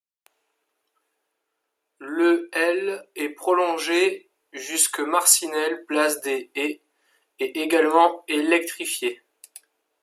Le elle est prolongée jusque Marcinelle Place des Haies et est également électrifiée.